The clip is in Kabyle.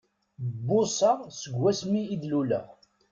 Bbuṣaɣ seg wasmi i d-luleɣ!